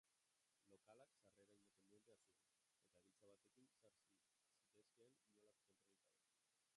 Lokalak sarrera independentea zuen, eta giltza batekin sar zitezkeen inolako kontrolik gabe.